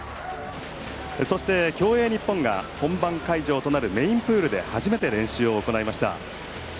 そして、競泳日本が本番会場となるメインプールで初めて練習を行いました。